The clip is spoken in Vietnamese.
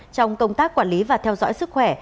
trong công tác quản lý và theo dõi sức khỏe